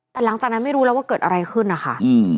แต่หลังจากนั้นไม่รู้แล้วว่าเกิดอะไรขึ้นนะคะ